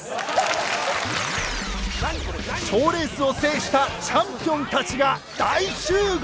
賞レースを制したチャンピオンたちが大集合！